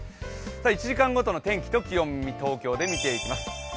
１時間ごとの天気と気温東京で見ていきます。